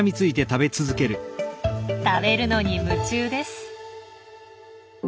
食べるのに夢中です。